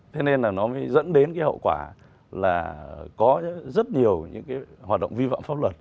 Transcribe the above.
thế nên là nó mới dẫn đến cái hậu quả là có rất nhiều những cái hoạt động vi phạm pháp luật